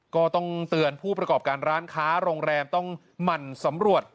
ก็ต้องเตือนผู้ประกอบการร้านค้าโรงแรมต้องหมั่นสำรวจ